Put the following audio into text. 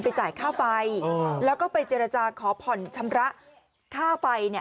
จ่ายค่าไฟแล้วก็ไปเจรจาขอผ่อนชำระค่าไฟเนี่ย